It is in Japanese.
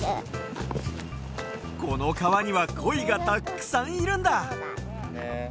このかわにはコイがたっくさんいるんだ！